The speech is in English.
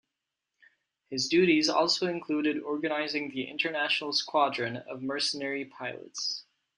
His duties also included organizing the "International Squadron" of mercenary pilots.